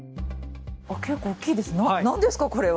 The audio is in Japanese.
結構大きいですね何ですかこれは？